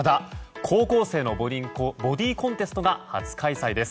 高校生のボディーコンテストが初開催です。